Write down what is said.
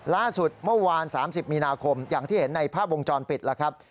ล่าสุดเมื่อวาน๓๐มีนาคมอย่างที่เห็นในภาพวงจรปิดแล้วครับ